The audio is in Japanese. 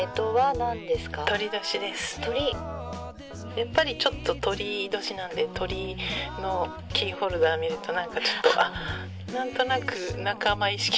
「やっぱりちょっと酉年なんで鳥のキーホルダー見るとなんかちょっとあっ何となく仲間意識」。